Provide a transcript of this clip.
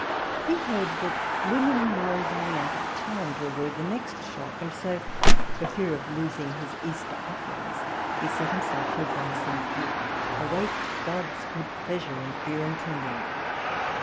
He heard that women were all going out of town to avoid the next shock ; and so, for fear of losing his Easter offerings, he set himself to advise them to await God's good pleasure in fear and trembling.